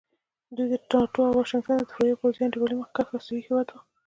دوی د ناټو او واشنګټن د دفاعي او پوځي انډیوالۍ مخکښ اسیایي هېواد وو.